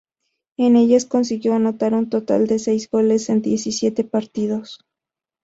En ellas consiguió anotar un total de seis goles en diecisiete partidos.